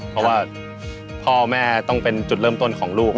เพราะว่าพ่อแม่ต้องเป็นจุดเริ่มต้นของลูก